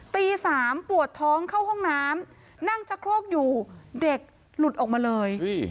ตี๓ปวดท้องเข้าห้องน้ำนั่งชะโครกอยู่เด็กหลุดออกมาเลย